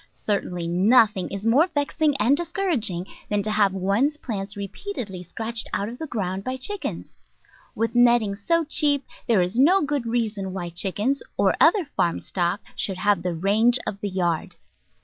Certainly nothing is more vexing and discouraging than to have one's plants repeatedly scratched out of the ground by chickens. With net ting so cheap there is no good reason why chickens, or other farm stock, should have the range of the yard.